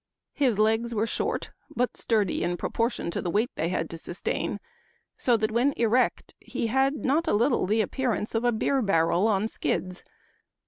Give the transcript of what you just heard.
His legs were short, but sturdy in proportion to the weight they had to sustain ; so that when erect he had not a little the appearance of a beer barrel on skids.